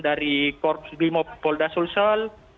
dari korps bimob polda sulsel